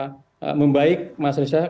kemudian bisa memberikan keterangan kepada pihak